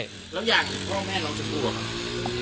แล้วอย่างพ่อแม่เราจะกลัวหรือครับ